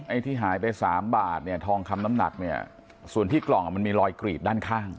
ที่หายไปสามบาทเนี่ยทองคำน้ำหนักเนี่ยส่วนที่กล่องมันมีรอยกรีดด้านข้าง